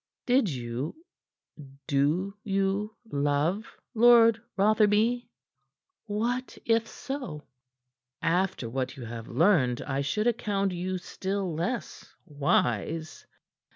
Did you do you love Lord Rotherby?" "What if so?" "After what you have learned, I should account you still less wise."